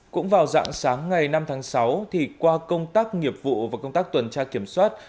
cũng vào dạng sáng ngày năm tháng sáu qua công tác nghiệp vụ và công tác tuần tra kiểm soát